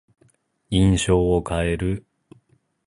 印象を変える。